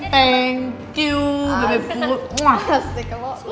thank you bebe puh